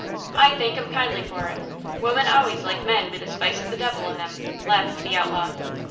"I thank 'em kindly for it! Women always like men with a spice of the devil in them!" laughed the outlaw.